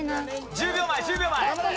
１０秒前１０秒前！